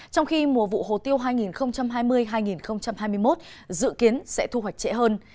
trong khi mùa vụ hồ tiêu hai nghìn hai mươi hai nghìn hai mươi một dự kiến sẽ thu hoạch trễ hơn